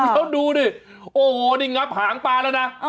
เขาดูนี่นับหางปลาแล้วนะ